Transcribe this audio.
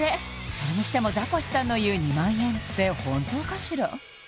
それにしてもザコシさんの言う２万円って本当かしら